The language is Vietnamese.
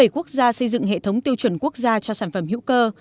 tám mươi bảy quốc gia xây dựng hệ thống tiêu chuẩn quốc gia cho sản phẩm hữu cơ